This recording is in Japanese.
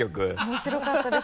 面白かったです。